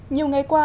nhiều ngày qua